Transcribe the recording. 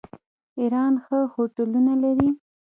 ایران ښه هوټلونه لري.